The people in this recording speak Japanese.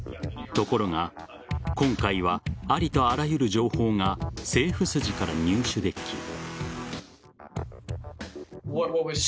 ところが今回はありとあらゆる情報が政府筋から入手でき。